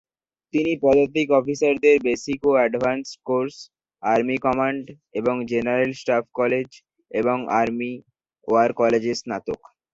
তিনি পদাতিক অফিসারদের বেসিক ও অ্যাডভান্সড কোর্স, আর্মি কমান্ড এবং জেনারেল স্টাফ কলেজ এবং আর্মি ওয়ার কলেজের স্নাতক।